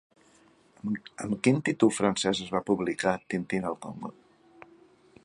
Amb quin títol francès es va publicar Tintín al Congo?